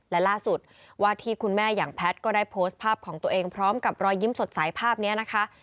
และล่าสุดว่าที่คุณแม่อย่างแพทย์ก็ได้โพสต์ภาพของตัวเองพร้อมกับรอยยิ้มสดใสภาพนี้นะคะ